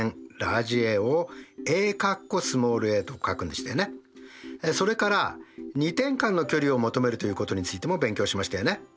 そしてそれから２点間の距離を求めるということについても勉強しましたよね。